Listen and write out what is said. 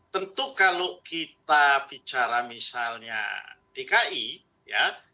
tentu kalau kita bicara misalnya dki ya